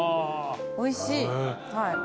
おいしい。